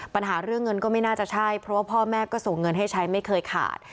ปัญหาเรื่องเงินก็ไม่น่าจะใช่เพราะว่าพ่อแม่ก็ส่งเงินให้ใช้ไม่เคยขาด